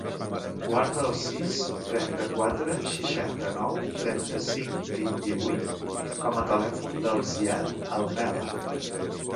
Guarda el sis, trenta-quatre, seixanta-nou, trenta-cinc, vint-i-vuit com a telèfon del Ziad Almela.